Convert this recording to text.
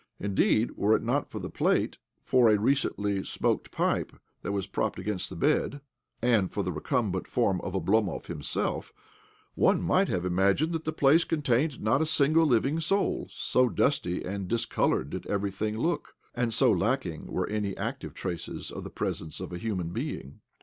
Indeed, were it not for the plate, for a recently smoked pipe that was propped against the bfed, and for the recumbent form of Oblomov himself, one might have imagined that the place contamed not a OBLOMOV 13 single living soul, so dusty ал<і' discoloured did everything look, and so lacking were any active traces of the presence of a human being.